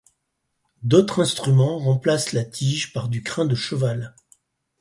D'autres instruments remplacent la tige par du crin de cheval.